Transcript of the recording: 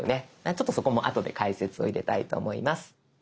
ちょっとそこもあとで解説を入れたいと思います。